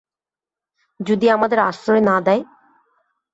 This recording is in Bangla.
যদি আমাদের আশ্রয় না দেয়?